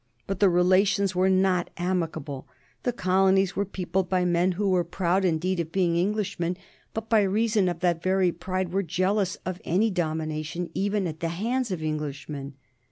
But the relations were not amicable. The colonies were peopled by men who were proud indeed of being Englishmen, but by reason of that very pride were jealous of any domination, even at the hands of Englishmen.